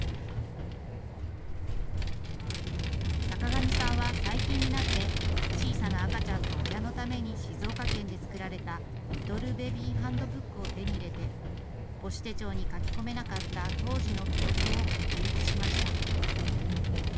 坂上さんは最近になって小さな赤ちゃんと親のために静岡県で作られたリトルベビーハンドブックを手に入れて母子手帳に書き込めなかった当時の記録を書き写しました。